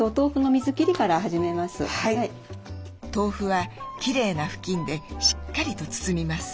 豆腐はきれいな布巾でしっかりと包みます。